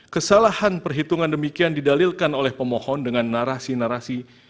kesalahan perhitungan demikian didalilkan oleh pemohon dengan narasi narasi